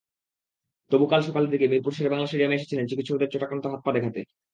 তবু কাল সকালের দিকে মিরপুর শেরেবাংলা স্টেডিয়ামে এসেছিলেন চিকিৎসকদের চোটাক্রান্ত হাত-পা দেখাতে।